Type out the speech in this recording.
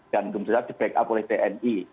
dan itu di backup oleh tni